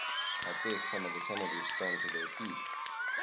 At this some of the senators sprang to their feet.